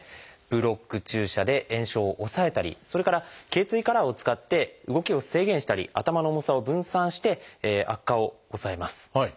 ブロック注射で炎症を抑えたりそれから頚椎カラーを使って動きを制限したり頭の重さを分散して悪化を抑えます。